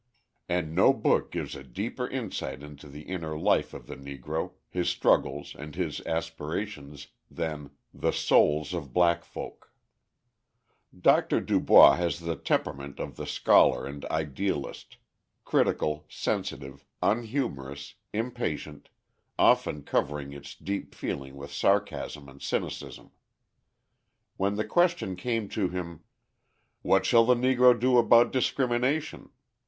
And no book gives a deeper insight into the inner life of the Negro, his struggles and his aspirations, than "The Souls of Black Folk." Dr. Du Bois has the temperament of the scholar and idealist critical, sensitive, unhumorous, impatient, often covering its deep feeling with sarcasm and cynicism. When the question came to him: "What shall the Negro do about discrimination?"